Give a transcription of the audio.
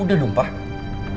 udah dong papa